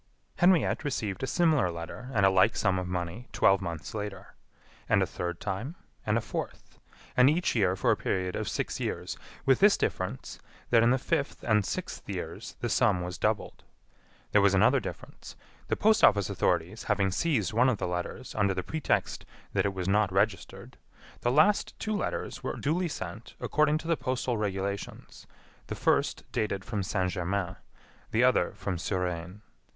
Henriette received a similar letter and a like sum of money twelve months later. And a third time; and a fourth; and each year for a period of six years, with this difference, that in the fifth and sixth years the sum was doubled. There was another difference: the post office authorities having seized one of the letters under the pretext that it was not registered, the last two letters were duly sent according to the postal regulations, the first dated from Saint Germain, the other from Suresnes.